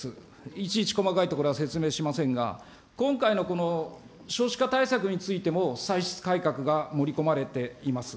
いちいち細かいことは説明しませんが、今回のこの、少子化対策についても、歳出改革が盛り込まれています。